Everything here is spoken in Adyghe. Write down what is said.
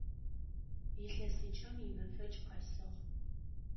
Илъэсыкӏэм имэфэкӏ къэсыгъ.